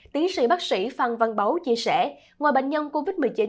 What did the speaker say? tiến sĩ bác sĩ phan văn báu chia sẻ ngoài bệnh nhân covid một mươi chín